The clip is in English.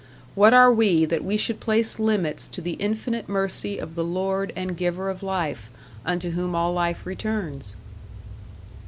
What are we that we should place limits to the infinite mercy of the Lord and Giver of Life, unto whom all life returns?